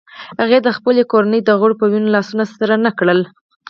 هغه د خپلې کورنۍ د غړو په وینو لاسونه سره نه کړل.